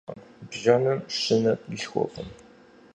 Бжэным щынэ къилъхуркъым.